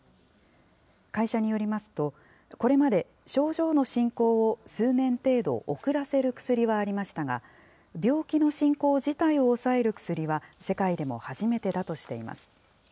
会社によりますと、これまで症状の進行を数年程度遅らせる薬はありましたが、病気の進行自体を抑える薬は、世界でも初めてだとしています。